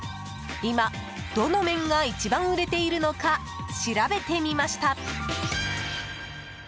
今、どの麺が一番売れているのか調べてみました。